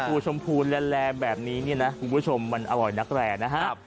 สุดพูดชมพูดแหล่นแบบนี้นี่นะคุณผู้ชมมันอร่อยนักแหล่นะฮะ